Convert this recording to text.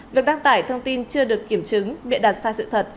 được đăng tải thông tin chưa được kiểm chứng bị đặt sai sự thật